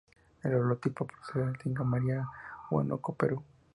El holotipo procede de Tingo María, Huánuco, Perú.